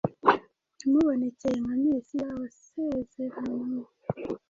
yamubonekeye nka Mesiya wasezeranwe.